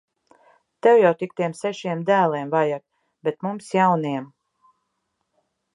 Tev jau tik tiem sešiem dēliem vajag! Bet mums jauniem.